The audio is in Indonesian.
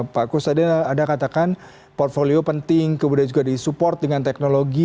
pak kustadin anda katakan portfolio penting kemudian juga disupport dengan teknologi